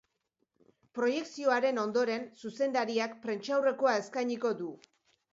Proiekzioaren ondoren, zuzendariak prentsaurrekoa eskainiko du.